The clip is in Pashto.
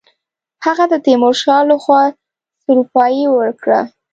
هغه ته د تیمورشاه له خوا سروپايي ورکړه.